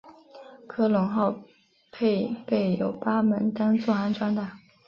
科隆号配备有八门单座安装的。